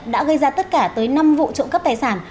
đã gây ra tất cả tới năm vụ trộm cắp tài sản